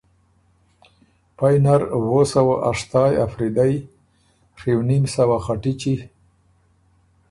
پئ نر وو سوه اشتائ افریدئ، ڒیونیم سوه خټِچی،